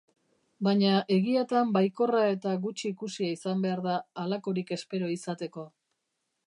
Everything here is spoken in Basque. Baina egiatan baikorra eta gutxi ikusia izan behar da halakorik espero izateko.